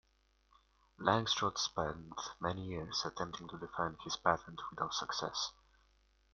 Langstroth spent many years attempting to defend his patent without success.